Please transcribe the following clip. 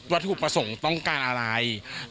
วัตถุประสงค์ต้องการอะไร